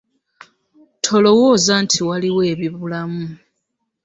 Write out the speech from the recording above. Tulowooza nti waliwo ebibulamu.